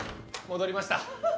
戻りました。